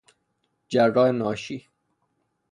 جراح ناشی